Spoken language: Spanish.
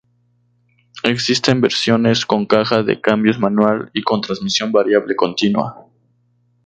Existen versiones con caja de cambios manual y con transmisión variable continua.